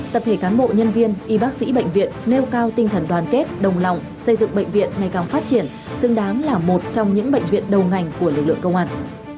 tập thể cán bộ nhân viên y bác sĩ bệnh viện nêu cao tinh thần đoàn kết đồng lòng xây dựng bệnh viện ngày càng phát triển xứng đáng là một trong những bệnh viện đầu ngành của lực lượng công an